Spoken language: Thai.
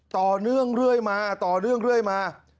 ต่อเนื่องเรื่อยมามา